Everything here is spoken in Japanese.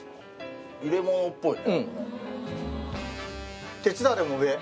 入れ物っぽい。